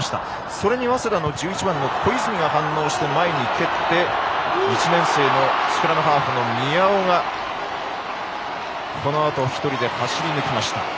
それに早稲田の１１番の小泉が反応して前に蹴って１年生のスクラムハーフの宮尾がこのあと１人で走り抜きました。